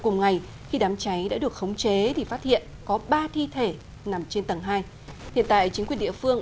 nằm trên tầng hai hiện tại chính quyền địa phương